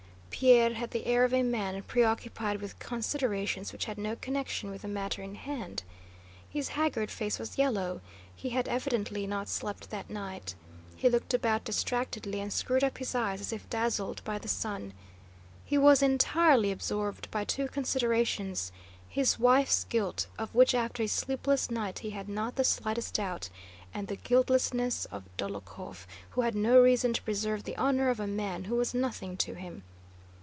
Pierre had the air of a man preoccupied with considerations which had no connection with the matter in hand. His haggard face was yellow. He had evidently not slept that night. He looked about distractedly and screwed up his eyes as if dazzled by the sun. He was entirely absorbed by two considerations: his wife's guilt, of which after his sleepless night he had not the slightest doubt, and the guiltlessness of Dólokhov, who had no reason to preserve the honor of a man who was nothing to him....